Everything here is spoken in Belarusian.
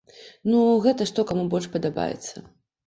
Ну, гэта што каму больш падабаецца.